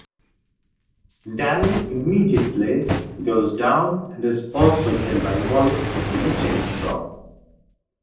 Danny immediately goes down and is also killed by Wallace with a chainsaw.